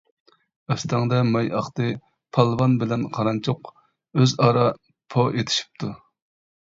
ئۆستەڭدە ماي ئاقتى پالۋان بىلەن قارانچۇق ئۆزئارا پو ئېتىشىپتۇ.